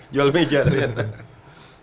jual meja ternyata